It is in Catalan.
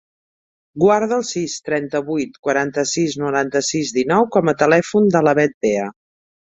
Guarda el sis, trenta-vuit, quaranta-sis, noranta-sis, dinou com a telèfon de la Bet Bea.